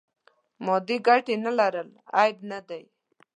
مادې ګټې نه لرل عیب نه دی.